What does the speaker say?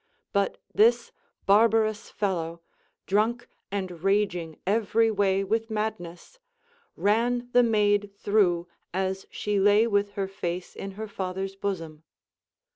But this barbarous fellow, drunk and raging every Avay with madness, ran the maid through as she lay A\ath her face in her father's bosom.